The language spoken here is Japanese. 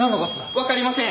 わかりません！